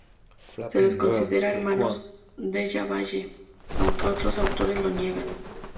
Se les considera hermanos Della Valle, aunque otros autores lo niegan.